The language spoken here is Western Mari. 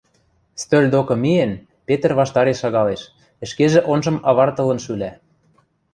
Стӧл докы миэн, Петр ваштареш шагалеш, ӹшкежӹ онгжым авартылын шӱлӓ.